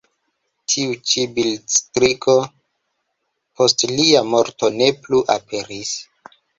Tiu ĉi bildstrio post lia morto ne plu aperis.